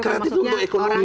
kreatif itu untuk ekonomi